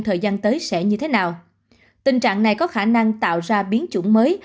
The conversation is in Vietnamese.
thời gian tới sẽ như thế nào tình trạng này có khả năng tạo ra biến chủng mới